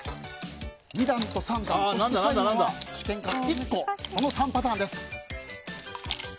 ２段と３段そして最後は試験管に１個この３パターンです。